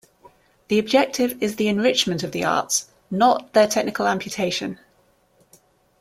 The objective is the enrichment of the arts, not their technical amputation.